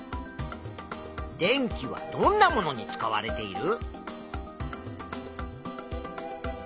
電気はどんなものに使われている？